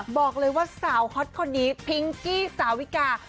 บอกเลยว่าสาวฮอตคนนี้พิงกี้สาวิกา